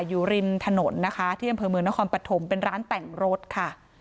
อยู่ริมถนนนะคะที่อำเภอเมืองนครปฐมเป็นร้านแต่งรถค่ะ